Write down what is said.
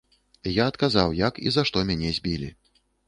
Я адказаў, як і за што мяне збілі.